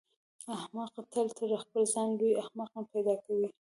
احمق تل تر خپل ځان لوی احمق پیدا کوي.